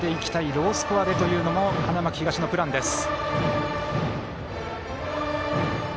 ロースコアでというのも花巻東のプランです。